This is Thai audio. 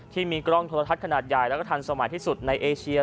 ที่มีกล้องโทรทัศน์ขนาดใหญ่แล้วก็ทันสมัยที่สุดในเอเชีย